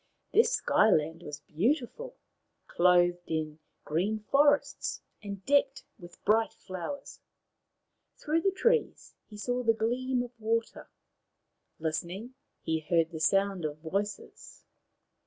This Sky land was beautiful, clothed in green forests and decked with bright flowers. Through the trees he saw the gleam of water. Listening, he heard the sound of voices.